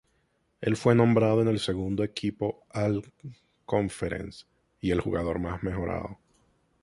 Él fue nombrado en el Segundo Equipo All-Conference y el Jugador más mejorado.